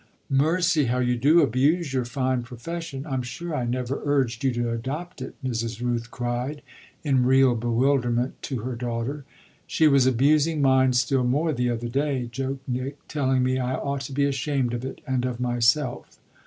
"Mercy, how you do abuse your fine profession! I'm sure I never urged you to adopt it!" Mrs. Rooth cried, in real bewilderment, to her daughter. "She was abusing mine still more the other day," joked Nick "telling me I ought to be ashamed of it and of myself."